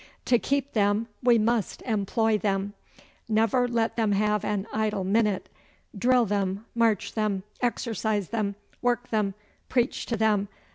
To keep them we must employ them. Never let them have an idle minute. Drill them. March them. Exercise them. Work them. Preach to them.